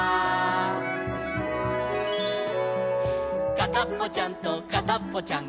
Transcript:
「かたっぽちゃんとかたっぽちゃん